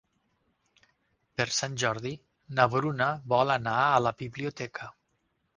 Per Sant Jordi na Bruna vol anar a la biblioteca.